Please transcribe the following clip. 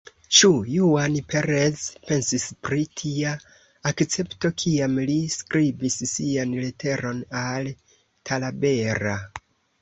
Ĉu Juan Perez pensis pri tia akcepto, kiam li skribis sian leteron al Talabera?